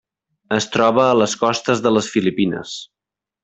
Es troba a les costes de les Filipines.